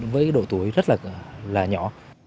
với độ tuổi rất là nhỏ